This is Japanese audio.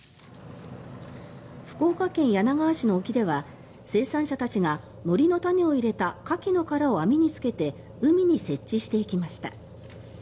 福岡県柳川市の沖では生産者たちがのりの種を入れたカキの殻を網につけて海に設置していきました。